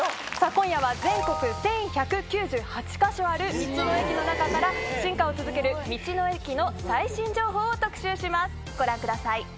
今夜は全国１１９８か所ある道の駅の中から進化を続ける道の駅の最新情報を特集しますご覧ください。